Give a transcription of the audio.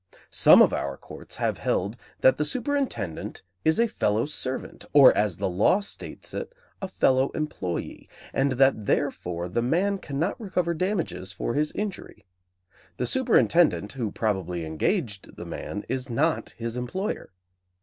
Some of our courts have held that the superintendent is a fellow servant, or, as the law states it, a fellow employee, and that, therefore, the man cannot recover damages for his injury. The superintendent who probably engaged the man is not his employer.